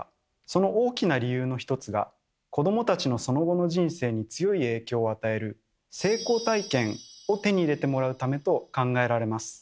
その大きな理由の一つが子どもたちのその後の人生に強い影響を与える「成功体験」を手に入れてもらうためと考えられます。